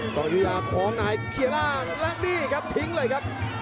วิทยาของนายเคลียร์ล่างและนี่ครับทิ้งเลยครับ